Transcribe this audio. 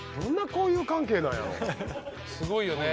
すごいよね。